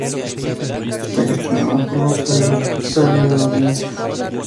Está gestionado por la autoridad portuaria de Valencia.